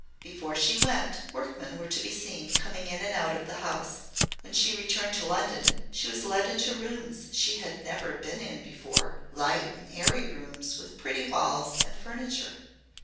Before she went, workmen were to be seen coming in and out of the house. When she returned to London, she was led into rooms she had never been in before light and airy rooms with pretty walls and furniture.